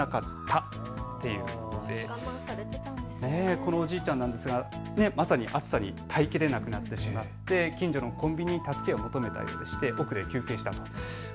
このおじいちゃんなんですがまさに暑さに耐えきれなくなってしまって近所のコンビニに助けを求めたようでして奥で休憩したそうです。